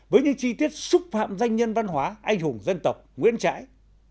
với những chi tiết xúc phạm danh nhân văn hóa anh hùng dân tộc nguyễn trãi